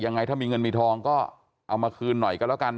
ยังไงถ้ามีเงินมีทองก็เอามาคืนหน่อยก็แล้วกัน